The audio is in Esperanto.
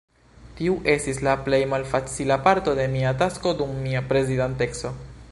Tiu estis la plej malfacila parto de mia tasko dum mia prezidanteco.